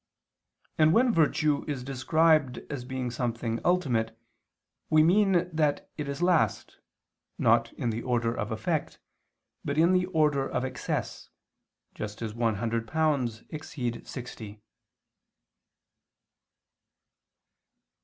And when virtue is described as being something ultimate, we mean that it is last, not in the order of effect, but in the order of excess, just as one hundred pounds exceed sixty.